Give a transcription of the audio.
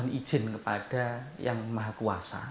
saya itu memohon izin kepada yang maha kuasa